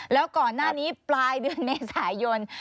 แล้วก่อนหน้านี้ปลายเดือนเมษายน